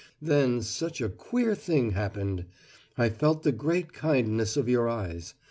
Then such a queer thing happened: I felt the great kindness of your eyes.